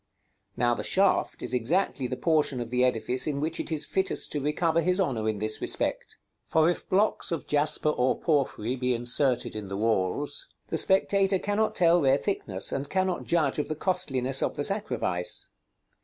Now the shaft is exactly the portion of the edifice in which it is fittest to recover his honor in this respect. For if blocks of jasper or porphyry be inserted in the walls, the spectator cannot tell their thickness, and cannot judge of the costliness of the sacrifice.